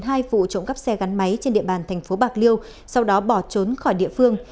hai vụ trộm cắp xe gắn máy trên địa bàn thành phố bạc liêu sau đó bỏ trốn khỏi địa phương